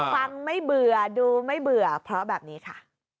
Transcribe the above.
ฟังไม่เบื่อดูไม่เบื่อเพราะแบบนี้ค่ะ